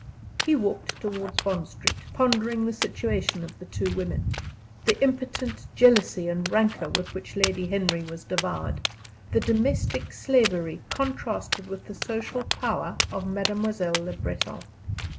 He walked towards Bond Street, pondering the situation of the two women the impotent jealousy and rancor with which Lady Henry was devoured, the domestic slavery contrasted with the social power of Mademoiselle Le Breton.